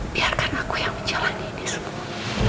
biarkan aku yang menjalani ini semua